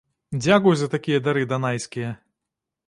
Дзякую за такія дары данайскія!